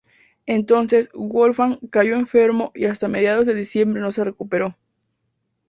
Entonces Wolfgang cayó enfermo y hasta mediados de diciembre no se recuperó.